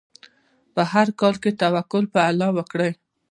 په هر کار کې توکل په خدای وکړئ.